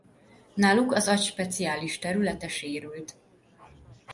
Náluk az agy speciális területe sérült.